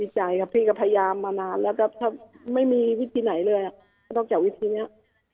ใจครับพี่ก็พยายามมานานแล้วก็ถ้าไม่มีวิธีไหนเลยนอกจากวิธีนี้